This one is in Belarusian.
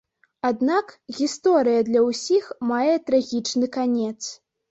Аднак, гісторыя для ўсіх мае трагічны канец.